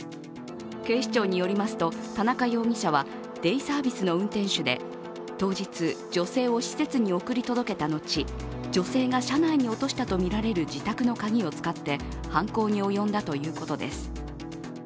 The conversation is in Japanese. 警視庁によりますと、田中容疑者はデイサービスの運転手で当日、女性を施設に送り届けた後、女性が車内に落したとみられる自宅の鍵を使って犯行に及んだということです。